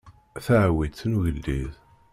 Taɛwiṭ n ugellid.